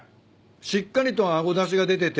しっかりとあごだしが出てて。